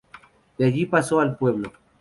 De allí pasó al pueblo.